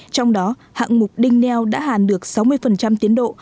trong đó hạng mục đinh neo đã hàn được sáu mươi tiến độ